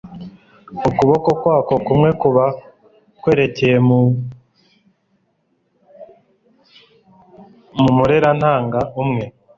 ukuboko kwako kumwe kuba kwerekeye mu murerantanga umwe